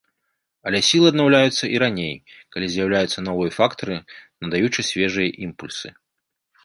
Але сілы аднаўляюцца і раней, калі з'яўляюцца новыя фактары, надаючы свежыя імпульсы.